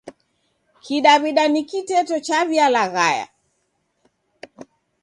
Kidaw'ida ni kiteto chaw'ialaghaya.